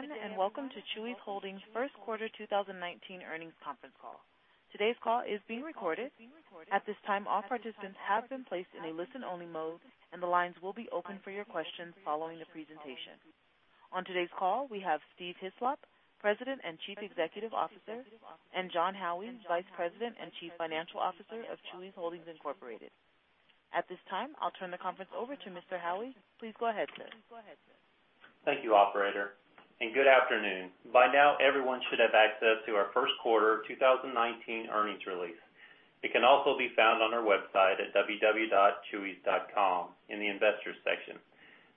Everyone, welcome to Chuy's Holdings first quarter 2019 earnings conference call. Today's call is being recorded. At this time, all participants have been placed in a listen-only mode, and the lines will be open for your questions following the presentation. On today's call, we have Steve Hislop, President and Chief Executive Officer, and Jon Howie, Vice President and Chief Financial Officer of Chuy's Holdings, Inc.. At this time, I'll turn the conference over to Mr. Howie. Please go ahead, sir. Thank you, operator, and good afternoon. By now, everyone should have access to our first quarter 2019 earnings release. It can also be found on our website at www.chuys.com in the Investors section.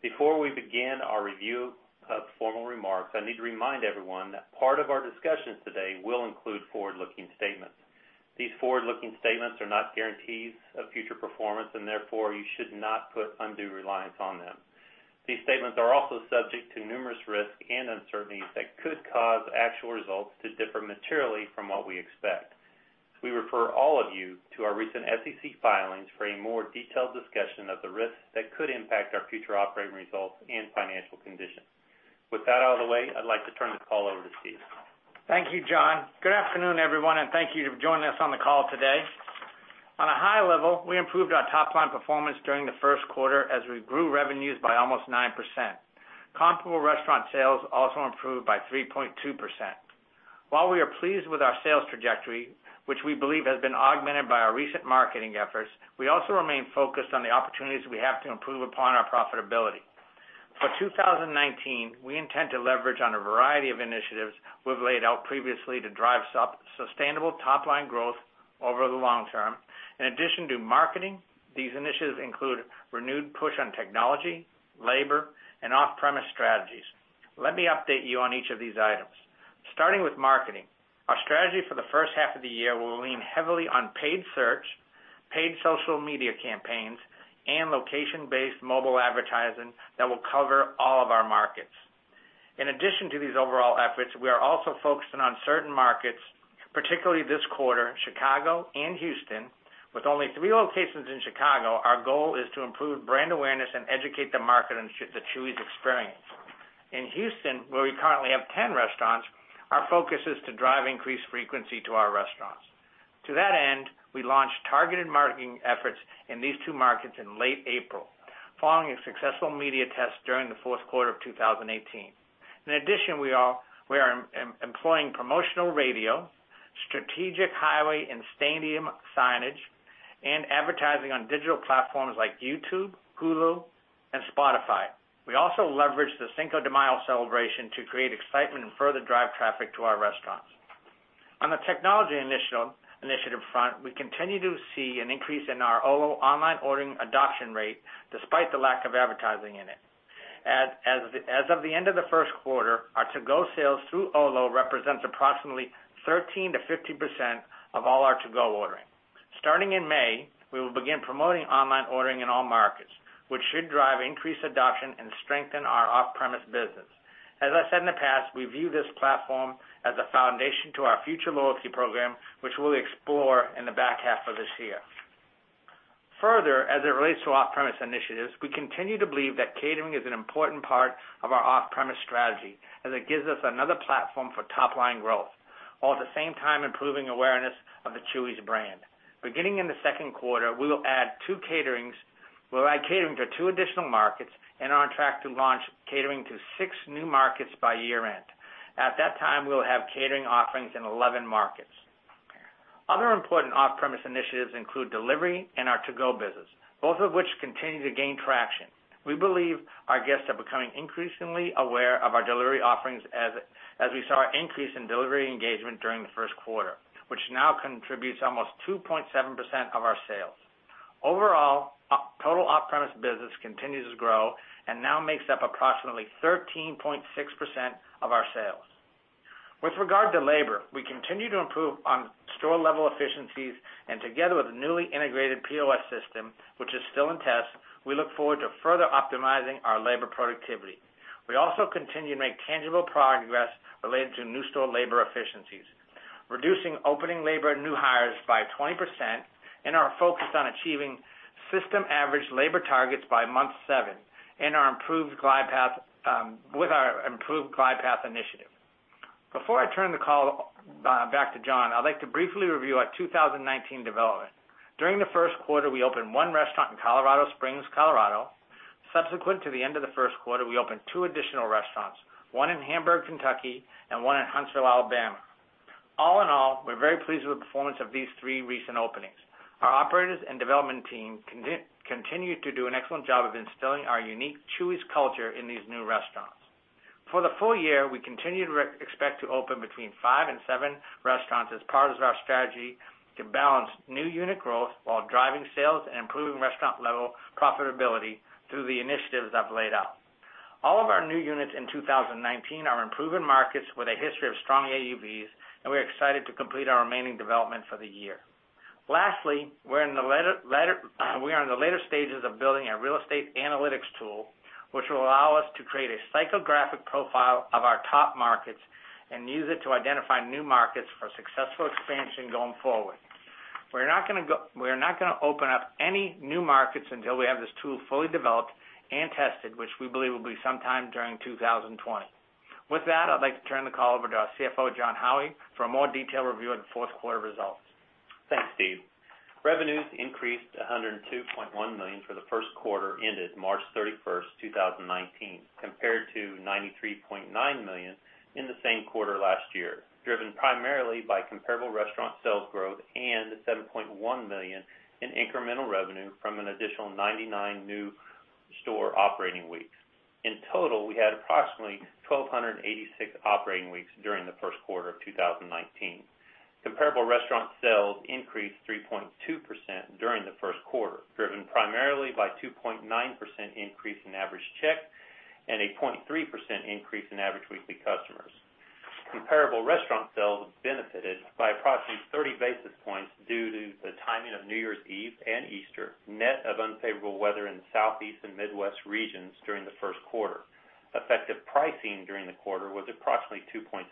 Before we begin our review of formal remarks, I need to remind everyone that part of our discussions today will include forward-looking statements. These forward-looking statements are not guarantees of future performance, and therefore, you should not put undue reliance on them. These statements are also subject to numerous risks and uncertainties that could cause actual results to differ materially from what we expect. We refer all of you to our recent SEC filings for a more detailed discussion of the risks that could impact our future operating results and financial conditions. With that out of the way, I'd like to turn the call over to Steve. Thank you, Jon. Good afternoon, everyone, and thank you for joining us on the call today. On a high level, we improved our top-line performance during the first quarter as we grew revenues by almost 9%. Comparable restaurant sales also improved by 3.2%. While we are pleased with our sales trajectory, which we believe has been augmented by our recent marketing efforts, we also remain focused on the opportunities we have to improve upon our profitability. For 2019, we intend to leverage on a variety of initiatives we've laid out previously to drive sustainable top-line growth over the long term. In addition to marketing, these initiatives include renewed push on technology, labor, and off-premise strategies. Let me update you on each of these items. Starting with marketing. Our strategy for the first half of the year will lean heavily on paid search, paid social media campaigns, and location-based mobile advertising that will cover all of our markets. In addition to these overall efforts, we are also focusing on certain markets, particularly this quarter, Chicago and Houston. With only three locations in Chicago, our goal is to improve brand awareness and educate the market on the Chuy's experience. In Houston, where we currently have 10 restaurants, our focus is to drive increased frequency to our restaurants. To that end, we launched targeted marketing efforts in these two markets in late April, following a successful media test during the fourth quarter of 2018. In addition, we are employing promotional radio, strategic highway and stadium signage, and advertising on digital platforms like YouTube, Hulu, and Spotify. We also leveraged the Cinco de Mayo celebration to create excitement and further drive traffic to our restaurants. On the technology initiative front, we continue to see an increase in our Olo online ordering adoption rate despite the lack of advertising in it. As of the end of the first quarter, our to-go sales through Olo represents approximately 13%-15% of all our to-go ordering. Starting in May, we will begin promoting online ordering in all markets, which should drive increased adoption and strengthen our off-premise business. As I said in the past, we view this platform as a foundation to our future loyalty program, which we'll explore in the back half of this year. As it relates to off-premise initiatives, we continue to believe that catering is an important part of our off-premise strategy, as it gives us another platform for top-line growth, while at the same time improving awareness of the Chuy's brand. Beginning in the second quarter, we will add catering to two additional markets and are on track to launch catering to six new markets by year-end. At that time, we'll have catering offerings in 11 markets. Other important off-premise initiatives include delivery and our to-go business, both of which continue to gain traction. We believe our guests are becoming increasingly aware of our delivery offerings as we saw an increase in delivery engagement during the first quarter, which now contributes almost 2.7% of our sales. Overall, total off-premise business continues to grow and now makes up approximately 13.6% of our sales. With regard to labor, we continue to improve on store-level efficiencies, together with the newly integrated POS system, which is still in test, we look forward to further optimizing our labor productivity. We also continue to make tangible progress related to new store labor efficiencies, reducing opening labor and new hires by 20%, and are focused on achieving system average labor targets by month seven with our improved Glidepath initiative. Before I turn the call back to Jon, I'd like to briefly review our 2019 development. During the first quarter, we opened one restaurant in Colorado Springs, Colorado. Subsequent to the end of the first quarter, we opened two additional restaurants, one in Hamburg, Kentucky, and one in Huntsville, Alabama. All in all, we're very pleased with the performance of these three recent openings. Our operators and development team continue to do an excellent job of instilling our unique Chuy's culture in these new restaurants. For the full year, we continue to expect to open between five and seven restaurants as part of our strategy to balance new unit growth while driving sales and improving restaurant-level profitability through the initiatives I've laid out. All of our new units in 2019 are in proven markets with a history of strong AUVs, we're excited to complete our remaining development for the year. Lastly, we are in the later stages of building a real estate analytics tool, which will allow us to create a psychographic profile of our top markets and use it to identify new markets for successful expansion going forward. We're not going to open up any new markets until we have this tool fully developed and tested, which we believe will be sometime during 2020. With that, I'd like to turn the call over to our CFO, Jon Howie, for a more detailed review of the fourth quarter results. Thanks, Steve. Revenues increased to $102.1 million for the first quarter ended March 31st, 2019, compared to $93.9 million in the same quarter last year, driven primarily by comparable restaurant sales growth and $7.1 million in incremental revenue from an additional 99 new store operating weeks. In total, we had approximately 1,286 operating weeks during the first quarter of 2019. Comparable restaurant sales increased 3.2% during the first quarter, driven primarily by 2.9% increase in average check and a 0.3% increase in average weekly customers. Comparable restaurant sales benefited by approximately 30 basis points due to the timing of New Year's Eve and Easter, net of unfavorable weather in Southeast and Midwest regions during the first quarter. Effective pricing during the quarter was approximately 2.6%.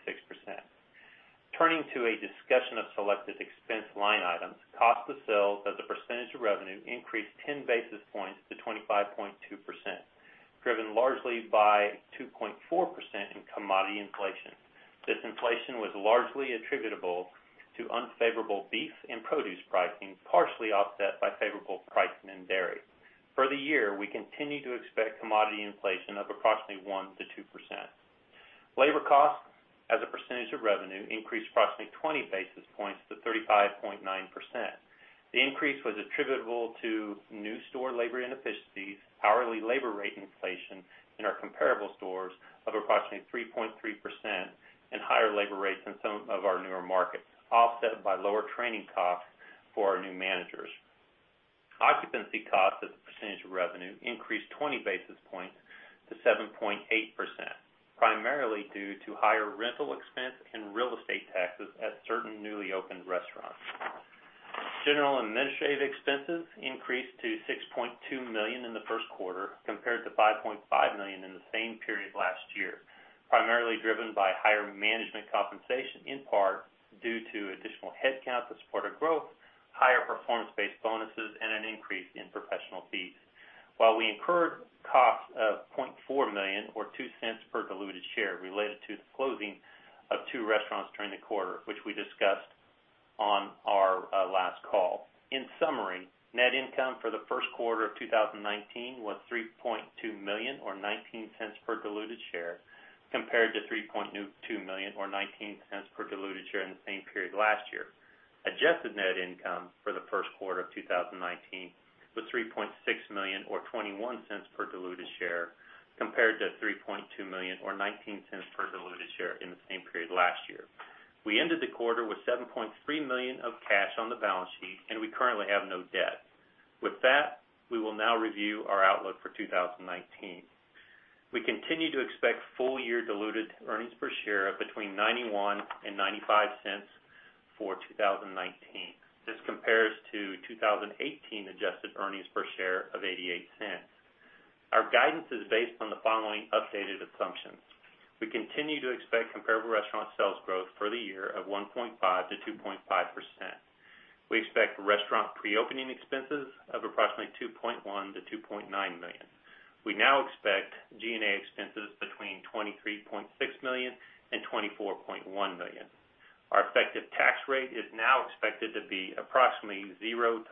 Turning to a discussion of selected expense line items, cost of sales as a percentage of revenue increased 10 basis points to 25.2%, driven largely by 2.4% in commodity inflation. This inflation was largely attributable to unfavorable beef and produce pricing, partially offset by favorable pricing in dairy. For the year, we continue to expect commodity inflation of approximately 1%-2%. Labor costs as a percentage of revenue increased approximately 20 basis points to 35.9%. The increase was attributable to new store labor inefficiencies, hourly labor rate inflation in our comparable stores of approximately 3.3%, and higher labor rates in some of our newer markets, offset by lower training costs for our new managers. Occupancy costs as a percentage of revenue increased 20 basis points to 7.8%, primarily due to higher rental expense and real estate taxes at certain newly opened restaurants. General and Administrative Expenses increased to $6.2 million in the first quarter, compared to $5.5 million in the same period last year, primarily driven by higher management compensation, in part due to additional headcount to support our growth, higher performance-based bonuses, and an increase in professional fees. While we incurred costs of $0.4 million or $0.02 per diluted share related to the closing of two restaurants during the quarter, which we discussed on our last call. In summary, net income for the first quarter of 2019 was $3.2 million or $0.19 per diluted share, compared to $3.2 million or $0.19 per diluted share in the same period last year. Adjusted net income for the first quarter of 2019 was $3.6 million or $0.21 per diluted share, compared to $3.2 million or $0.19 per diluted share in the same period last year. We ended the quarter with $7.3 million of cash on the balance sheet, and we currently have no debt. With that, we will now review our outlook for 2019. We continue to expect full year diluted earnings per share of between $0.91 and $0.95 for 2019. This compares to 2018 adjusted earnings per share of $0.88. Our guidance is based on the following updated assumptions. We continue to expect comparable restaurant sales growth for the year of 1.5%-2.5%. We expect restaurant pre-opening expenses of approximately $2.1 million-$2.9 million. We now expect G&A expenses between $23.6 million and $24.1 million. Our effective tax rate is now expected to be approximately 0%-5%,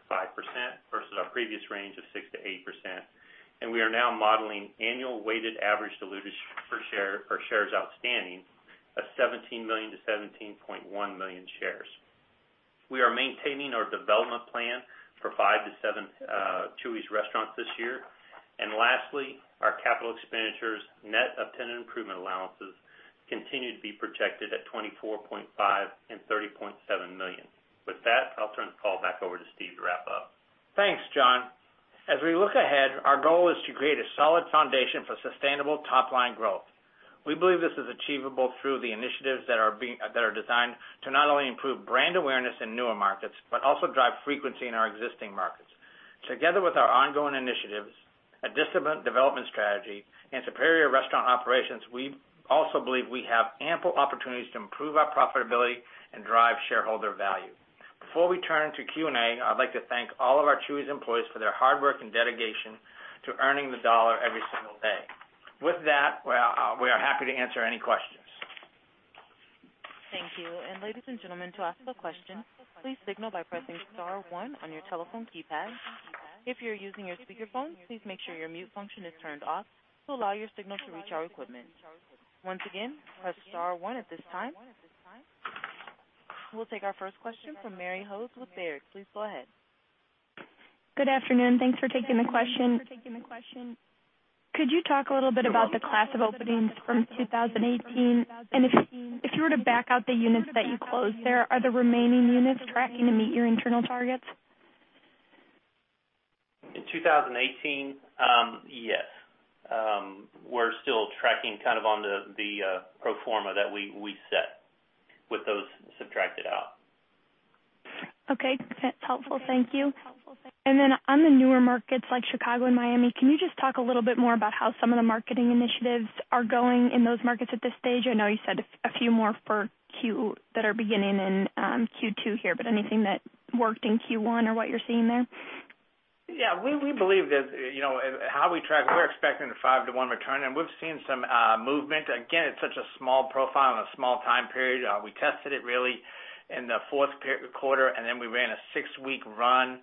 versus our previous range of 6%-8%, and we are now modeling annual weighted average diluted per share or shares outstanding of 17 million-17.1 million shares. We are maintaining our development plan for five to seven Chuy's restaurants this year. Lastly, our capital expenditures net of tenant improvement allowances continue to be protected at $24.5 million and $30.7 million. With that, I'll turn the call back over to Steve to wrap up. Thanks, Jon. As we look ahead, our goal is to create a solid foundation for sustainable top-line growth. We believe this is achievable through the initiatives that are designed to not only improve brand awareness in newer markets, but also drive frequency in our existing markets. Together with our ongoing initiatives, a disciplined development strategy, and superior restaurant operations, we also believe we have ample opportunities to improve our profitability and drive shareholder value. Before we turn to Q&A, I'd like to thank all of our Chuy's employees for their hard work and dedication to earning the dollar every single day. With that, we are happy to answer any questions. Thank you. Ladies and gentlemen, to ask a question, please signal by pressing star one on your telephone keypad. If you're using your speakerphone, please make sure your mute function is turned off to allow your signal to reach our equipment. Once again, press star one at this time. We'll take our first question from Mary Hodes with Baird. Please go ahead. Good afternoon. Thanks for taking the question. Could you talk a little bit about the class of openings from 2018? If you were to back out the units that you closed there, are the remaining units tracking to meet your internal targets? In 2018, yes. We're still tracking kind of on the pro forma that we set with those subtracted out. Okay. That's helpful. Thank you. Then on the newer markets like Chicago and Miami, can you just talk a little bit more about how some of the marketing initiatives are going in those markets at this stage? I know you said a few more that are beginning in Q2 here, but anything that worked in Q1 or what you're seeing there? Yeah, we believe that how we track, we're expecting a 5 to 1 return, we've seen some movement. Again, it's such a small profile and a small time period. We tested it really in the fourth quarter, then we ran a six-week run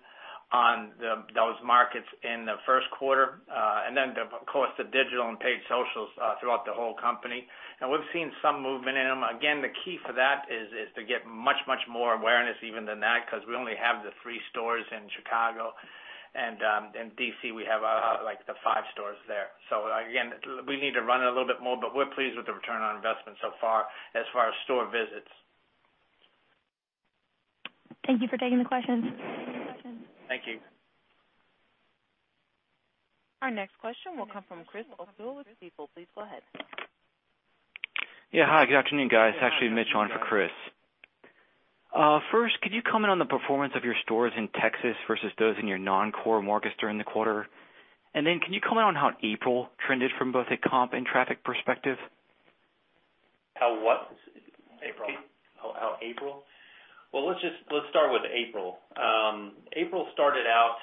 on those markets in the first quarter. Then of course, the digital and paid socials throughout the whole company. We've seen some movement in them. Again, the key for that is to get much, much more awareness even than that, because we only have the three stores in Chicago, and in D.C., we have the five stores there. Again, we need to run it a little bit more, but we're pleased with the return on investment so far as far as store visits. Thank you for taking the questions. Thank you. Our next question will come from Chris O'Cull with Stifel. Please go ahead. Hi, good afternoon, guys. Actually, Mitch on for Chris. First, could you comment on the performance of your stores in Texas versus those in your non-core markets during the quarter? Can you comment on how April trended from both a comp and traffic perspective? How what? April. How April? Well, let's start with April. April started out,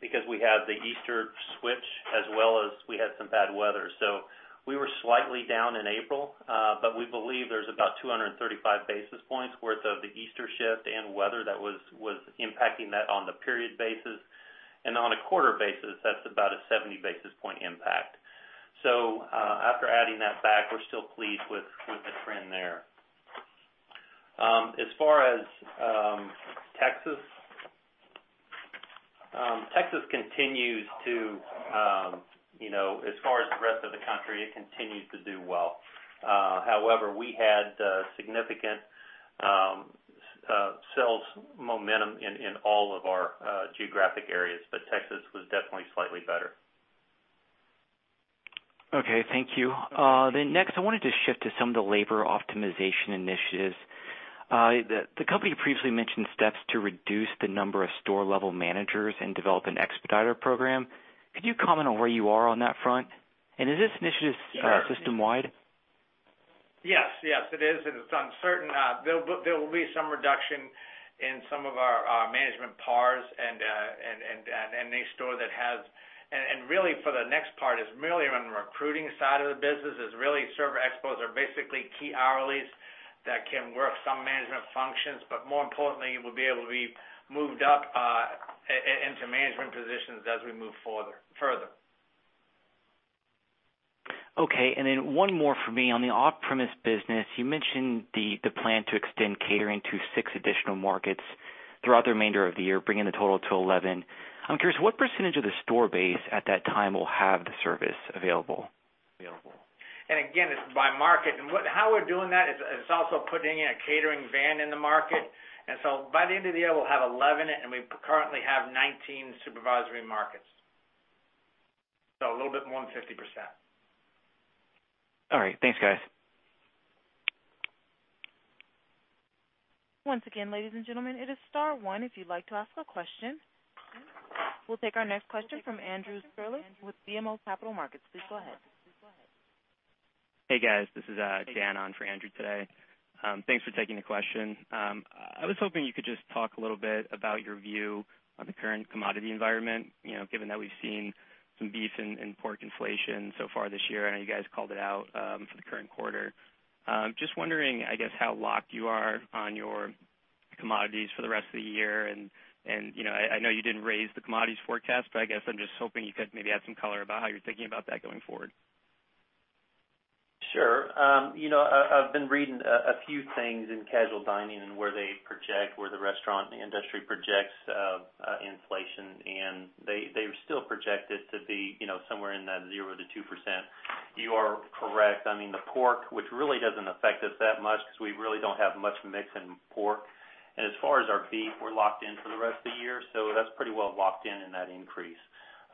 because we had the Easter switch as well as we had some bad weather. We were slightly down in April, but we believe there's about 235 basis points worth of the Easter shift and weather that was impacting that on the period basis. On a quarter basis, that's about a 70 basis point impact. After adding that back, we're still pleased with the trend there. As far as Texas, as far as the rest of the country, it continues to do well. However, we had significant sales momentum in all of our geographic areas, but Texas was definitely slightly better. Okay, thank you. Next, I wanted to shift to some of the labor optimization initiatives. The company previously mentioned steps to reduce the number of store-level managers and develop an expediter program. Could you comment on where you are on that front? Are these initiatives system-wide? Yes. It is, and it's uncertain. There will be some reduction in some of our management pars and any store. Really for the next part, is merely on the recruiting side of the business, is really server expos are basically key hourlies that can work some management functions, but more importantly, will be able to be moved up into management positions as we move further. Okay. One more for me. On the off-premise business, you mentioned the plan to extend catering to six additional markets throughout the remainder of the year, bringing the total to 11. I'm curious, what % of the store base at that time will have the service available? Again, it's by market, how we're doing that is also putting in a catering van in the market. By the end of the year, we'll have 11, we currently have 19 supervisory markets. A little bit more than 50%. All right. Thanks, guys. Once again, ladies and gentlemen, it is star one if you'd like to ask a question. We'll take our next question from Andrew Strelzik with BMO Capital Markets. Please go ahead. Hey, guys. This is Dan on for Andrew today. Thanks for taking the question. I was hoping you could just talk a little bit about your view on the current commodity environment, given that we've seen some beef and pork inflation so far this year. I know you guys called it out for the current quarter. Just wondering, I guess, how locked you are on your commodities for the rest of the year. I know you didn't raise the commodities forecast, but I guess I'm just hoping you could maybe add some color about how you're thinking about that going forward. Sure. I've been reading a few things in casual dining and where they project, where the restaurant industry projects inflation. They still project it to be somewhere in that 0%-2%. You are correct. The pork, which really doesn't affect us that much because we really don't have much mix in pork. As far as our beef, we're locked in for the rest of the year, so that's pretty well locked in that increase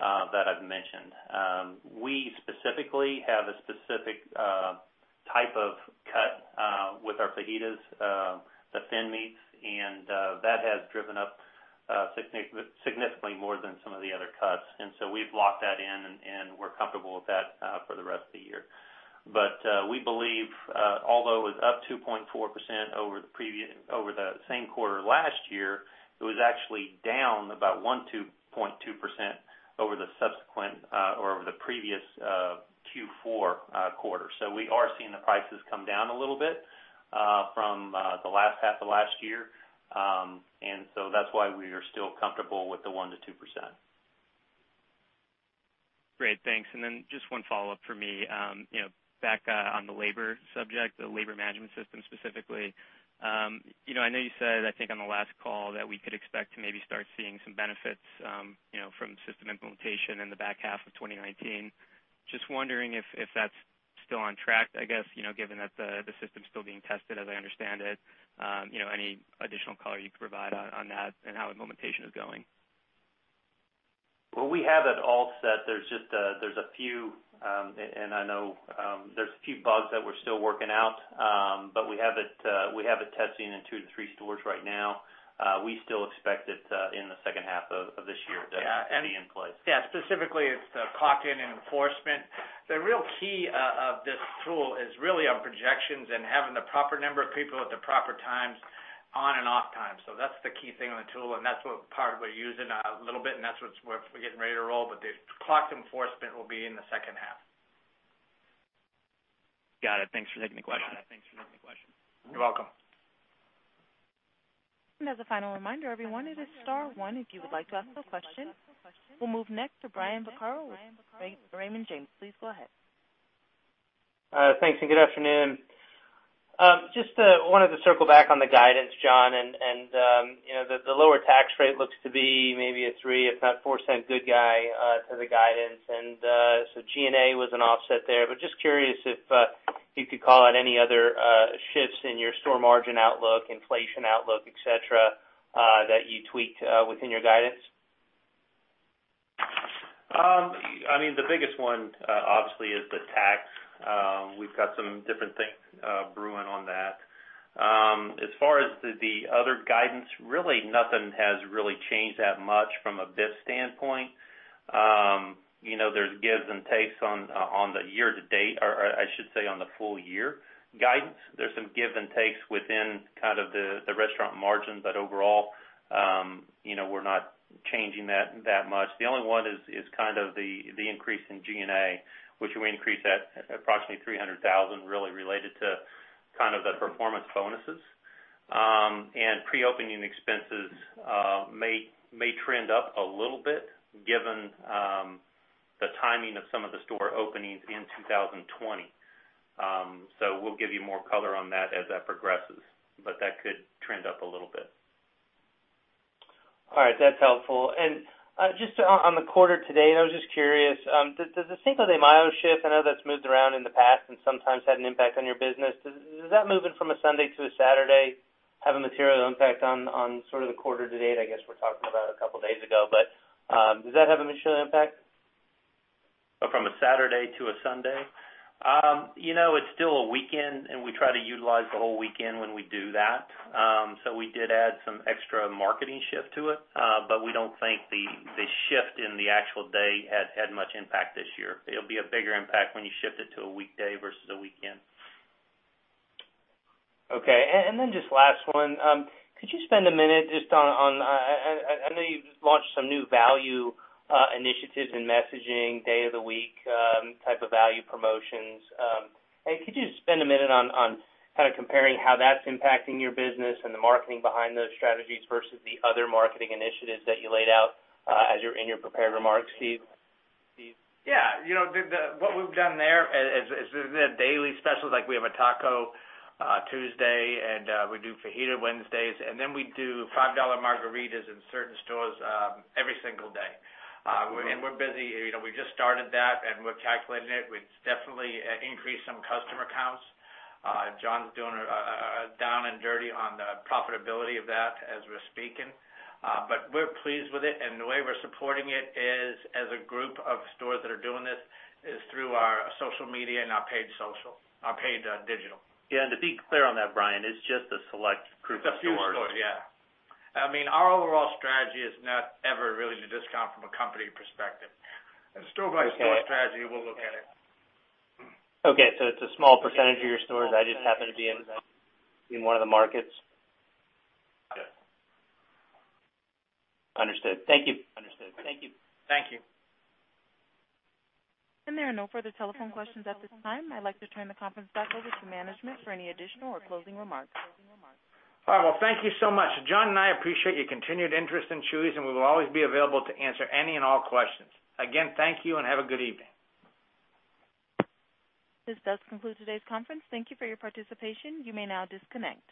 that I've mentioned. We specifically have a specific type of cut with our fajitas, the thin meats, and that has driven up significantly more than some of the other cuts. We've locked that in, and we're comfortable with that for the rest of the year. We believe although it was up 2.4% over the same quarter last year, it was actually down about 1%-2.2% over the subsequent or over the previous Q4 quarter. We are seeing the prices come down a little bit from the last half of last year. That's why we are still comfortable with the 1%-2%. Great. Thanks. Just one follow-up for me. Back on the labor subject, the labor management system specifically. I know you said, I think on the last call, that we could expect to maybe start seeing some benefits from system implementation in the back half of 2019. Just wondering if that's still on track, I guess, given that the system's still being tested as I understand it. Any additional color you could provide on that and how implementation is going? We have it all set. There's a few bugs that we're still working out, but we have it testing in two to three stores right now. We still expect it in the second half of this year to be in place. Specifically, it's the clock in and enforcement. The real key of this tool is really on projections and having the proper number of people at the proper times, on and off time. That's the key thing on the tool, and that's what part we're using a little bit, and that's what's worth getting ready to roll. The clock enforcement will be in the second half. Got it. Thanks for taking the question. You're welcome. As a final reminder, everyone, it is star one if you would like to ask a question. We'll move next to Brian Vaccaro with Raymond James. Please go ahead. Thanks, good afternoon. Just wanted to circle back on the guidance, Jon. The lower tax rate looks to be maybe a $0.03 if not $0.04 good guy to the guidance. G&A was an offset there, but just curious if you could call out any other shifts in your store margin outlook, inflation outlook, et cetera, that you tweaked within your guidance. The biggest one, obviously, is the tax. We've got some different things brewing on that. As far as the other guidance, really nothing has really changed that much from a BIS standpoint. There's gives and takes on the year to date, or I should say, on the full year guidance. There's some gives and takes within the restaurant margins. Overall, we're not changing that that much. The only one is the increase in G&A, which we increased at approximately $300,000, really related to the performance bonuses. Pre-opening expenses may trend up a little bit given the timing of some of the store openings in 2020. We'll give you more color on that as that progresses. That could trend up a little bit. All right, that's helpful. Just on the quarter today, I was just curious, does the Cinco de Mayo shift, I know that's moved around in the past and sometimes had an impact on your business, moving from a Sunday to a Saturday have a material impact on the quarter to date? I guess we're talking about a couple of days ago, does that have a material impact? From a Saturday to a Sunday? It's still a weekend, and we try to utilize the whole weekend when we do that. We did add some extra marketing shift to it, but we don't think the shift in the actual day has had much impact this year. It'll be a bigger impact when you shift it to a weekday versus a weekend. Okay. Just last one. Could you spend a minute just on, I know you've launched some new value initiatives and messaging, day of the week type of value promotions. Could you just spend a minute on comparing how that's impacting your business and the marketing behind those strategies versus the other marketing initiatives that you laid out in your prepared remarks, Steve? Yeah. What we've done there is the daily specials, like we have a Taco Tuesday, we do Fajita Wednesdays, we do $5 margaritas in certain stores every single day. We're busy. We just started that and we're calculating it. We've definitely increased some customer counts. Jon's doing a down and dirty on the profitability of that as we're speaking. We're pleased with it, and the way we're supporting it is as a group of stores that are doing this, is through our social media and our paid digital. Yeah, to be clear on that, Brian, it's just a select group of stores. It's a few stores, yeah. Our overall strategy is not ever really to discount from a company perspective. As a store-by-store strategy, we'll look at it. Okay. It's a small percentage of your stores. I just happen to be in one of the markets. Yeah. Understood. Thank you. Thank you. There are no further telephone questions at this time. I'd like to turn the conference back over to management for any additional or closing remarks. All right, well, thank you so much. Jon and I appreciate your continued interest in Chuy's, and we will always be available to answer any and all questions. Again, thank you, and have a good evening. This does conclude today's conference. Thank you for your participation. You may now disconnect.